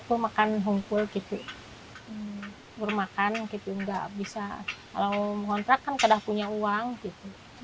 aku makan hongkul gitu bermakan gitu nggak bisa kalau mengontrakkan sudah punya uang gitu masih